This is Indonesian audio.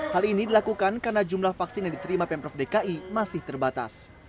hal ini dilakukan karena jumlah vaksin yang diterima pemprov dki masih terbatas